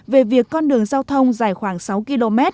về việc con đường giao thông dài khoảng sáu km